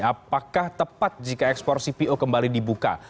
apakah tepat jika ekspor cpo kembali dibuka